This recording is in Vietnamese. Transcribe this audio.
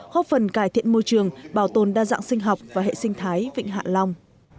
góp phần cải thiện môi trường bảo tồn đa dạng sinh học và hệ sinh thái vịnh hạ long